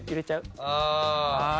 ああ。